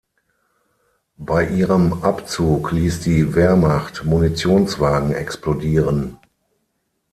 Bei ihrem Abzug ließ die Wehrmacht Munitionswagen explodieren.